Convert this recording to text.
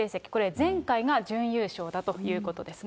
前回が準優勝だということですね。